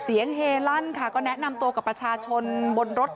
เฮลั่นค่ะก็แนะนำตัวกับประชาชนบนรถ